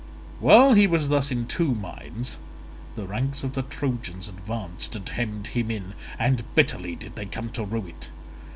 While he was thus in two minds, the ranks of the Trojans advanced and hemmed him in, and bitterly did they come to rue it.